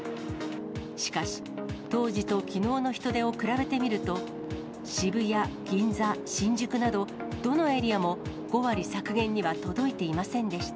しかし、当時ときのうの人出を比べてみると、渋谷、銀座、新宿など、どのエリアも５割削減には届いていませんでした。